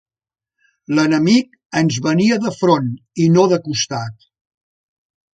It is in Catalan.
L'enemic ens venia de front, i no de costat.